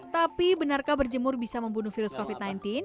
tapi benarkah berjemur bisa membunuh virus covid sembilan belas